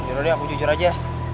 yaudah deh aku jujur aja